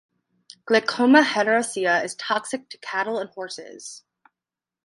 "Glechoma hederacea" is toxic to cattle and horses.